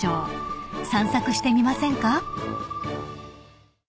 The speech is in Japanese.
［散策してみませんか？］